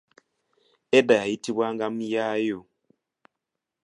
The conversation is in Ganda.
Edda yayitibwanga Muyaayu